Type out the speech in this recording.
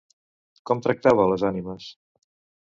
Com tractava a les ànimes?